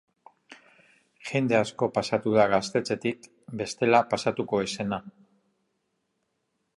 Jende asko pasatu da gaztetxetik bestela pasatuko ez zena.